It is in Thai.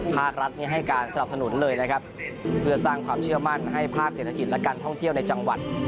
ภาครัฐให้การสนับสนุนเลยนะครับเพื่อสร้างความเชื่อมั่นให้ภาคเศรษฐกิจและการท่องเที่ยวในจังหวัด